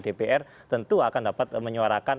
dpr tentu akan dapat menyuarakan